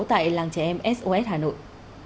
tại làng trẻ em sos hà nội